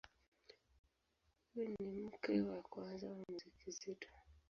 Huyu ni mke wa kwanza wa Mzee Kizito.